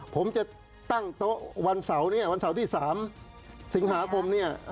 ผมจะตั้งโต๊ะวันเสาร์เนี่ยวันเสาร์ที่๓สิงหาคมเนี่ย